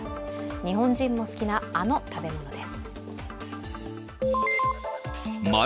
日本人も好きな、あの食べ物です。